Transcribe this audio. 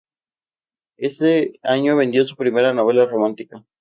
Ese año vendió su primera novela romántica.